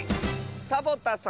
サボタさん。